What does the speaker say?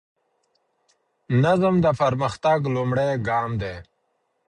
نظم د پرمختګ لومړی ګام دی.